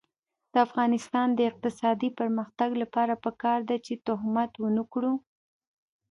د افغانستان د اقتصادي پرمختګ لپاره پکار ده چې تهمت ونکړو.